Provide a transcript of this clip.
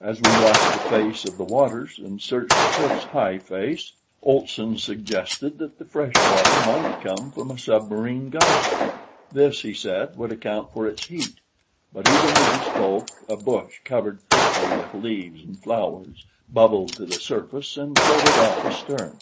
As we watched the face of the waters and searched the cliff's high face, Olson suggested that the fresh water might come from a submarine geyser. This, he said, would account for its heat; but even as he spoke a bush, covered thickly with leaves and flowers, bubbled to the surface and floated off astern.